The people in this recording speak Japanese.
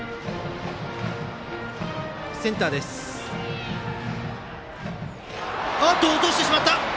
センター、落としてしまった。